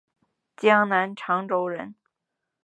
江南长洲人。